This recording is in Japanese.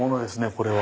これは。